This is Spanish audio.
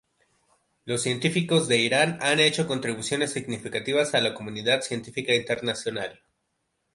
Los científicos de Irán han hecho contribuciones significativas a la comunidad científica internacional.